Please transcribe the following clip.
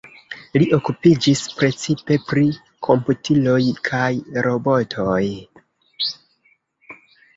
Li okupiĝis precipe pri komputiloj kaj robotoj.